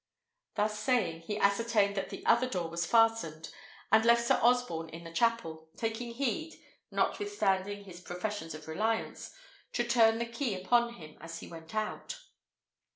Thus saying, he ascertained that the other door was fastened, and left Sir Osborne in the chapel, taking heed, notwithstanding his professions of reliance, to turn the key upon him as he went out.